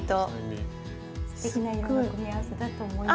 すてきな色の組み合わせだと思います。